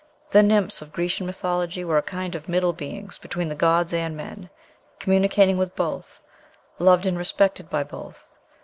"The Nymphs of Grecian mythology were a kind of middle beings between the gods and men, communicating with both, loved and respected by both